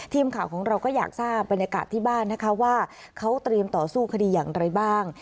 ทีมข่าวของเราก็อยากทราบบรรยากาศที่บ้านนะคะว่าเขาเตรียมต่อสู้คดีอย่างไรบ้าง